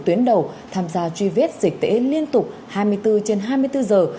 tuyến đầu tham gia truy vết dịch tễ liên tục hai mươi bốn trên hai mươi bốn giờ